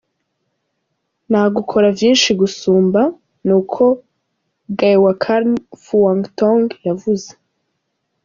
Nagukora vyinshi gusumba,” ni ko Gaewkarn Fuangtong yavuze.